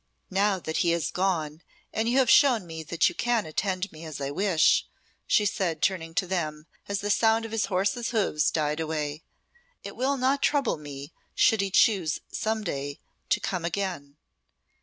"Now that he has gone and you have shown me that you can attend me as I wish," she said, turning to them as the sound of his horse's hoofs died away, "it will not trouble me should he choose some day to come again.